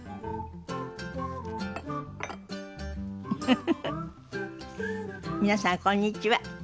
フフフフ皆さんこんにちは。